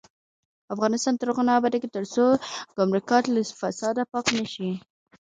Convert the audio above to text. افغانستان تر هغو نه ابادیږي، ترڅو ګمرکات له فساده پاک نشي.